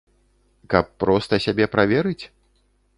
Каб проста сябе праверыць?